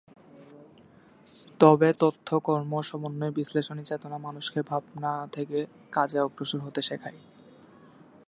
তবে তত্ত্ব-কর্ম-সমন্বয়ী বিশ্লেষণী চেতনা মানুষকে ভাবনা থেকে কাজে অগ্রসর হতে শেখায়।